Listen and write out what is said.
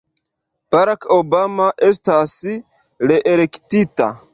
Barack Obama estas reelektita.